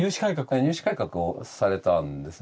入試改革をされたんですね。